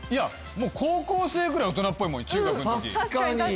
もう高校生ぐらい大人っぽいもん中学ん時うん